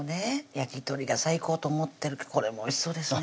焼き鳥が最高と思ってるけどこれもおいしそうですね